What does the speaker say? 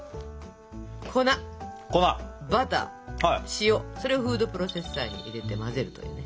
粉バター塩それをフードプロセッサーに入れて混ぜるというね。